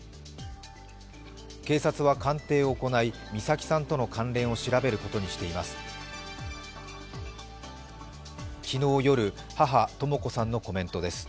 警察は鑑定を行い、美咲さんとの関連を調べることにしています。